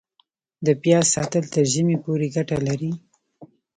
د پیاز ساتل تر ژمي پورې ګټه لري؟